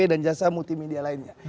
dan jasa multimedia lainnya